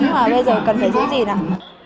nhưng mà bây giờ cần phải giữ gì nào